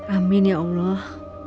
amin ya allah